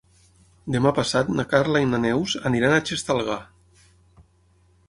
Demà passat na Carla i na Neus aniran a Xestalgar.